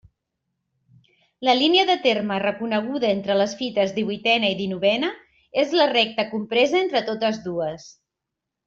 La línia de terme reconeguda entre les fites divuitena i dinovena és la recta compresa entre totes dues.